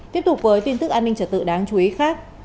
tiếp tục với tin tức an ninh trở tự đáng chú ý khác